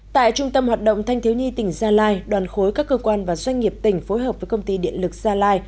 tại trung tâm hoạt động thanh thiếu nhi tỉnh gia lai đoàn khối các cơ quan và doanh nghiệp tỉnh phối hợp với công ty điện lực gia lai